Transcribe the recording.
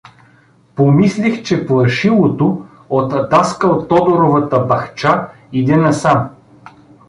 Помислих, че плашилото от даскал Тодоровата бахча иде насам.